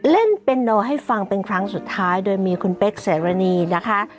เล่นเป็นโนให้ฟังเป็นครั้งสุดท้ายโดยมีคุณเป๊กเสรณีนะคะ